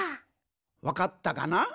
わかったかな？